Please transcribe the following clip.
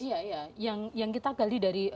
iya iya yang kita gali dari